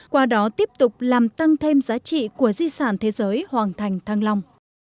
qua đó tiếp tục làm tăng thêm giá trị của di sản thế giới hoàng thành thăng long